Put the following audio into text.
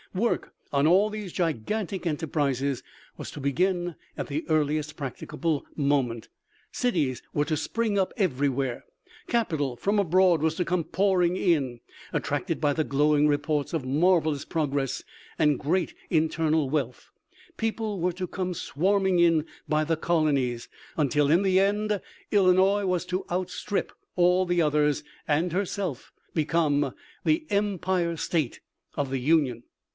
Work on all these gigan tic enterprises was to begin at the earliest prac ticable moment ; cities were to spring up every where ; capital from abroad was to come pouring in ; attracted by the glowing reports of marvelous progress and great internal wealth, people were to come swarming in by colonies, until in the end Illinois was to outstrip all the others, and herself become the Empire State of the Union.